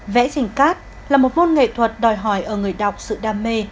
vẽ tranh cát là một môn nghệ thuật đòi hỏi ở người đọc sự đam mê